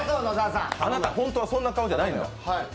あなた、本当はそんな顔じゃないのよ。